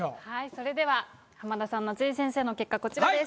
それでは浜田さん夏井先生の結果こちらです。